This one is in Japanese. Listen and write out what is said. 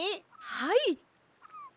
はい。